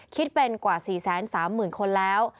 คิดเป็นกว่า๔๓๐๐๐คนแล้ว